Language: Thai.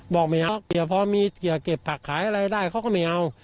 บอกไม่เอาเกียร์พอมีเกียร์เก็บผักขายอะไรได้เขาก็ไม่เอา